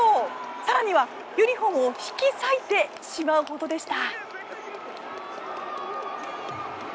更には、ユニホームを引き裂いてしまうほどでした。